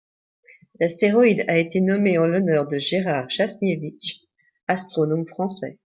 L'astéroïde a été nommé en l'honneur de Gérard Jasniewicz, astronome français.